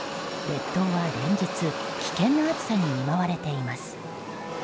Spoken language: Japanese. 列島は連日危険な暑さに見舞われています。